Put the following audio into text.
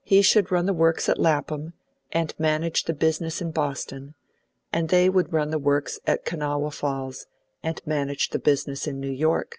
He should run the works at Lapham and manage the business in Boston, and they would run the works at Kanawha Falls and manage the business in New York.